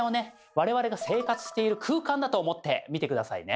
我々が生活している空間だと思って見て下さいね。